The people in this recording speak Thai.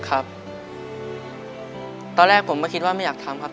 ครับตอนแรกผมก็คิดว่าไม่อยากทำครับ